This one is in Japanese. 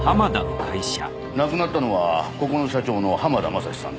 亡くなったのはここの社長の濱田雅志さんです。